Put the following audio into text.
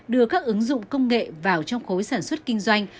đưa các ứng dụng công nghệ vào trong khối sản xuất kinh doanh